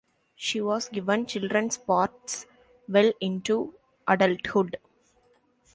She was given children's parts well into adulthood.